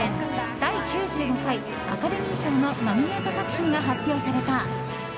第９５回アカデミー賞のノミネート作品が発表された。